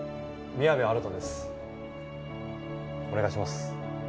お願いします。